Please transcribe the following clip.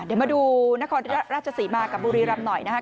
เดี๋ยวมาดูนครราชศรีมากับบุรีรำหน่อยนะคะ